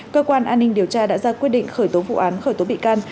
cơ quan an ninh điều tra đã ra quyết định khởi tố vụ án khởi tố bị can